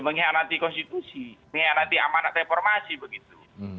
mengkhianati konstitusi mengkhianati amanat reformasi begitu